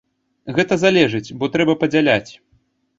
Гэта залежыць, бо трэба падзяляць.